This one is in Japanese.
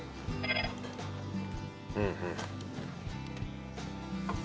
うんうん。